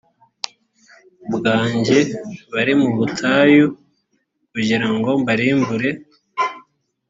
bwanjye bari mu butayu kugira ngo mbarimbure